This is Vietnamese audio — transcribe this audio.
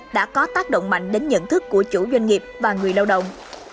đã có tác động mạnh đến nhận thức của chủ doanh nghiệp và người lao động